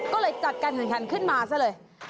ก็เลยจัดการแข่งขันขึ้นมาซะเลย